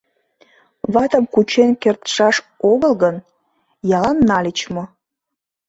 Ватым кучен кертшаш огыл гын, иялан нальыч мо?..